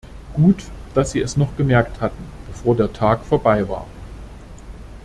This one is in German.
Gut, dass Sie es noch gemerkt hatten, bevor der Tag vorbei war.